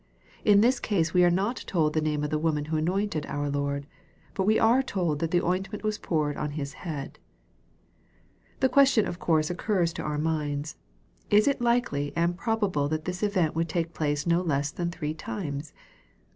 In this case we are not told the name of the woman who anointed our Lord. But we are told that the ointment was poured on His " head." The question of course occurs to our minds :" Is it likely and prob able that this event would take place no less than three times